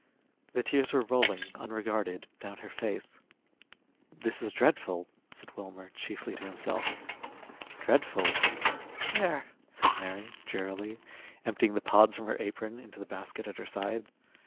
The tears were rolling unregarded down her face. "This is dreadful," said Wilmer, chiefly to himself. "Dreadful." "There!" said Mary, drearily, emptying the pods from her apron into the basket at her side.